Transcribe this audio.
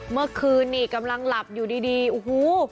เมื่อคืนนี่กำลังหลับอยู่ดีโอ้โห